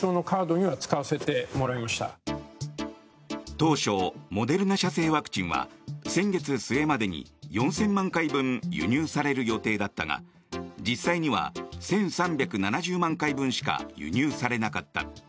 当初、モデルナ社製ワクチンは先月末までに４０００万回分輸入される予定だったが実際には１３７０万回分しか輸入されなかった。